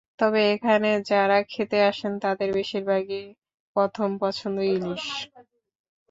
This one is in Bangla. তবে এখানে যাঁরা খেতে আসেন, তাঁদের বেশির ভাগেরই প্রথম পছন্দ ইলিশ।